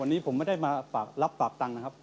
วันนี้ผมไม่ได้มาฝากรับฝากตังค์นะครับ